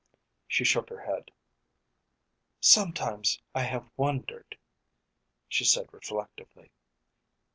She shook her head. "Sometimes I have wondered " she said reflectively.